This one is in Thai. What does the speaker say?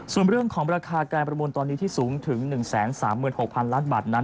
ส่วนเรื่องของราคาการประมูลตอนนี้ที่สูงถึง๑๓๖๐๐๐ล้านบาทนั้น